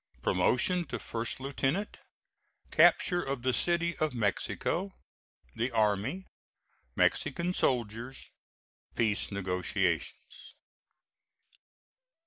PROMOTION TO FIRST LIEUTENANT CAPTURE OF THE CITY OF MEXICO THE ARMY MEXICAN SOLDIERS PEACE NEGOTIATIONS.